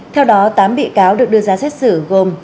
theo đó tám bị cáo được đưa ra xét xử gồm